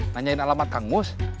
nanyain alamat kang mus